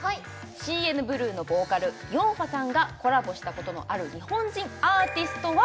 ＣＮＢＬＵＥのボーカルヨンファさんがコラボしたことのある日本人アーティストは？